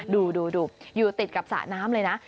ดูอยู่ติดกับสระน้ำเลยนะ